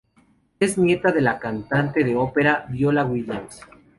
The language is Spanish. Es nieta de la cantante de Ópera Viola Williams.